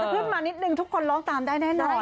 ขึ้นมานิดนึงทุกคนร้องตามได้แน่นอน